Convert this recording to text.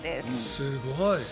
すごい。